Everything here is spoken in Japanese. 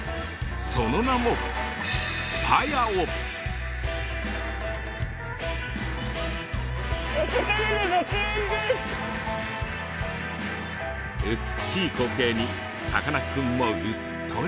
その名も美しい光景にさかなクンもうっとり。